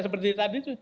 seperti tadi tuh